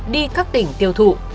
đi các tỉnh tiêu thụ